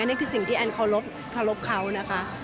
อันนี้คือสิ่งที่แอ้นขอรบเขานะคะ